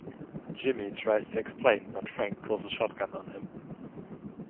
Jimmy tries to explain but Frank pulls a shotgun on him.